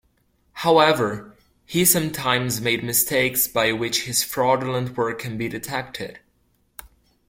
However, he sometimes made mistakes by which his fraudulent work can be detected.